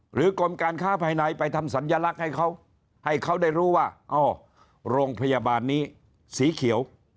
กรมการค้าภายในไปทำสัญลักษณ์ให้เขาให้เขาได้รู้ว่าอ๋อโรงพยาบาลนี้สีเขียว